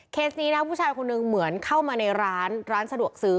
นี้นะผู้ชายคนหนึ่งเหมือนเข้ามาในร้านร้านสะดวกซื้อ